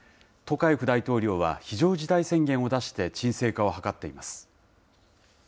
トカエフ大統領は、非常事態宣言を出して鎮静化を図っています。